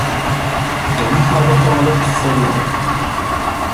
De hade hållit för lågt.